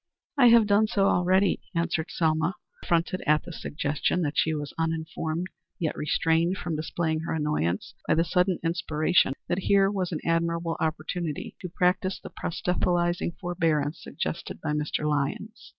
"I have done so already," answered Selma, affronted at the suggestion that she was uninformed, yet restrained from displaying her annoyance by the sudden inspiration that here was an admirable opportunity to practise the proselytizing forbearance suggested by Mr. Lyons.